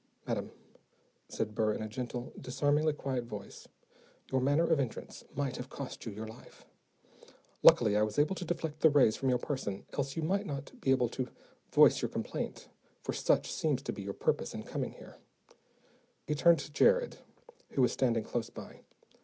"Madam," said Burr in a gentle, disarmingly quiet voice, "your manner of entrance might have cost you your life. Luckily I was able to deflect the rays from your person, else you might not now be able to voice your complaint for such seems to be your purpose in coming here." He turned to Jared, who was standing close by.